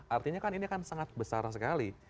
artinya kan ini kan sangat besar sekali